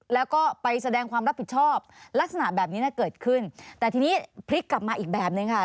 แล้วก็ไปแสดงความรับผิดชอบลักษณะแบบนี้น่ะเกิดขึ้นแต่ทีนี้พลิกกลับมาอีกแบบนึงค่ะ